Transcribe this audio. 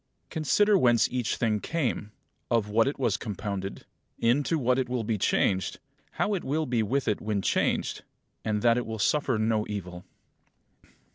17. Consider whence each thing came, of what it was compounded, into what it will be changed, how it will be with it when changed, and that it will suffer no evil.